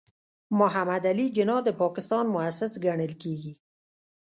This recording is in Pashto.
محمد علي جناح د پاکستان مؤسس ګڼل کېږي.